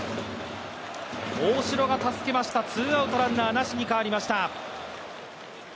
大城が助けました、ツーアウトランナーなしになりました。